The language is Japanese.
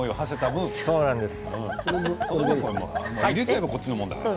入れてしまえばこっちのものだから。